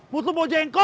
buat lu bojengkol